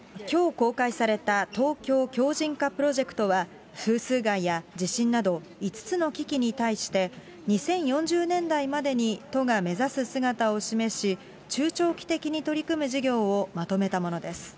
きょう公開されたＴＯＫＹＯ強靭化プロジェクトは、風水害や地震など、５つの危機に対して、２０４０年代までに都が目指す姿を示し、中長期的に取り組む事業をまとめたものです。